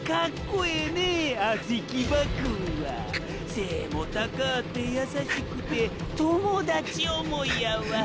背ぇも高あて優しくて友達想いやわ。